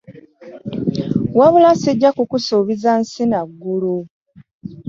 Wabula sijja kukusubiza nsi n'aggulu .